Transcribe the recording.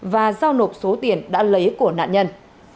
và giao nộp số tiền đã lấy của nạn nhân